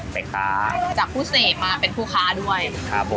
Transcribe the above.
แม่ค้าจากผู้เสพมาเป็นผู้ค้าด้วยครับผม